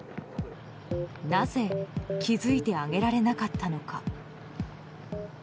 なぜ気付いてあげられなかったのか。